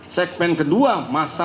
segmen kedua masa